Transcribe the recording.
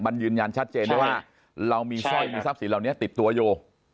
มันยืนยันชัดเจนได้ว่าเรามีสร้อยมีทรัพย์สินเหล่านี้ติดตัวอยู่